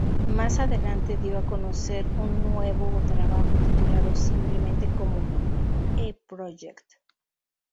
Más adelante dio a conocer un nuevo trabajo titulado simplemente como "E-Project".